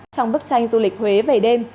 trong bức tranh du lịch huế về đêm